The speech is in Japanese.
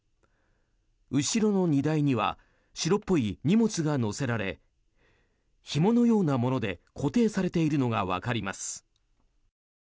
後ろの荷台には白っぽい荷物が載せられひものようなもので固定されているのがわかります。